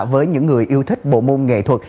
với những người yêu thích bộ môn nghệ thuật